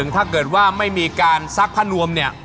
ถ้าเกิดว่าไม่มีการซักผ้านวมเนี่ย